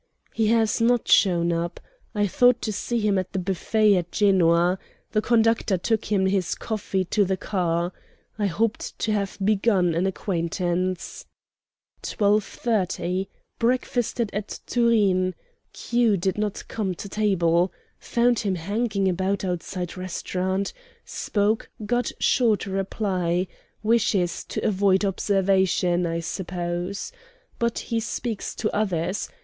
He has not shown up. I thought to see him at the buffet at Genoa. The conductor took him his coffee to the car. I hoped to have begun an acquaintance. "12.30. Breakfasted at Turin. Q. did not come to table. Found him hanging about outside restaurant. Spoke; got short reply. Wishes to avoid observation, I suppose. "But he speaks to others.